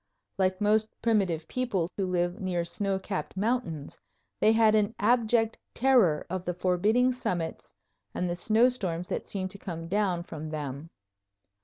Like most primitive people who live near snow capped mountains, they had an abject terror of the forbidding summits and the snowstorms that seem to come down from them.